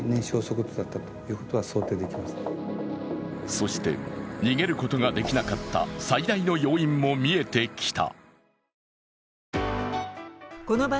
そして逃げることができなかった最大の要因も見えてきた。